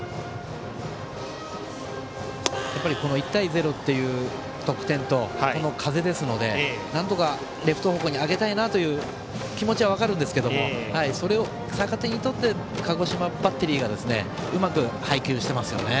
１対０という得点とこの風ですのでなんとかレフト方向にあげたいという気持ちは分かるんですがそれを逆手にとって鹿児島バッテリーがうまく配球してますよね。